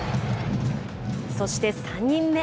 そして３人目。